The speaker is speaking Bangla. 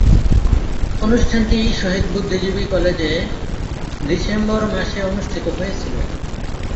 অনুষ্ঠানটি শহীদ বুদ্ধিজীবী কলেজে ডিসেম্বর মাসে অনুষ্ঠিত হয়েছিলো।